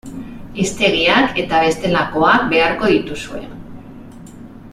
Hiztegiak eta bestelakoak beharko dituzue.